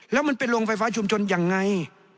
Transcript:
แล้วมันเป็นโรงไฟฟ้าชุมชนยังไง